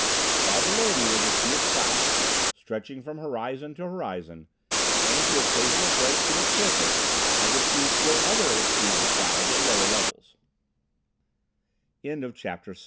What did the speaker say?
Far below me was a sea of clouds, stretching from horizon to horizon, and through occasional breaks in its surface I could see still other seas of clouds at lower levels.